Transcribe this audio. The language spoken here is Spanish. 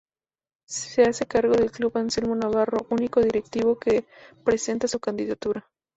Se hace cargo del club Anselmo Navarro, único directivo que presenta su candidatura.